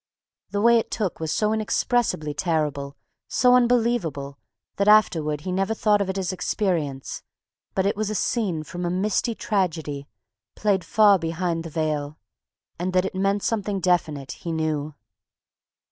The way it took was so inexpressibly terrible, so unbelievable, that afterward he never thought of it as experience; but it was a scene from a misty tragedy, played far behind the veil, and that it meant something definite he knew.